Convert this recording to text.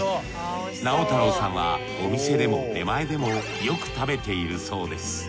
直太朗さんはお店でも出前でもよく食べているそうです。